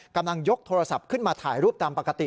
กำลังยกโทรศัพท์ขึ้นมาถ่ายรูปตามปกติ